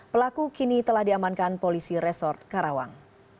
pelaku kini telah diamankan polisi resort karawang